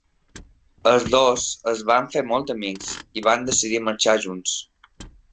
Els dos es van fer molt amics i van decidir marxar junts.